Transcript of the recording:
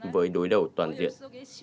với đối đều toàn diện